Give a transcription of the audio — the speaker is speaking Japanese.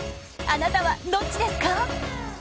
あなたはどっちですか？